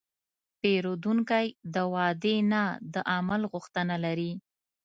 پیرودونکی د وعدې نه، د عمل غوښتنه لري.